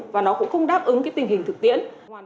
và nó cũng không đáp ứng cái tình hình thực tiễn